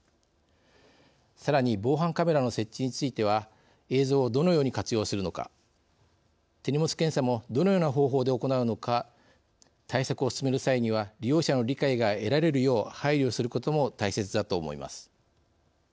さらに防犯カメラの設置については映像をどのように活用するのか手荷物検査もどのような方法で行うのか対策を進める際には利用者の理解が得られるよう配慮することも大切だと思います。